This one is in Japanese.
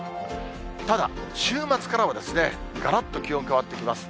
ただ、週末からはがらっと気温変わってきます。